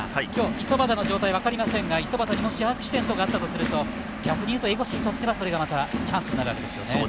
五十幡の状態は分かりませんが五十幡にアクシデントがあったとすると逆に言うと、江越にとってはそれがまたチャンスになるわけですね。